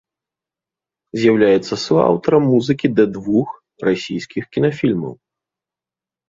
З'яўляецца суаўтарам музыкі да двух расійскіх кінафільмаў.